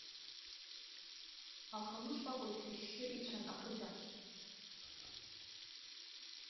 Ахамы шкәакәа иҭашьшьы ицәан ақыҭа.